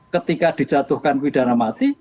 ketika dijatuhkan pidana mati